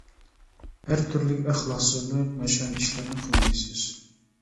ھەر تۈرلۈك ئەخلاقسىزلىق، ناشايان ئىشلارنى قىلمايسىز.